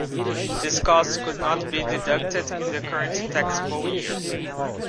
This cost could not be deducted in the current taxable year.